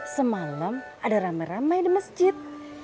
semalam ada ramai ramai di masjid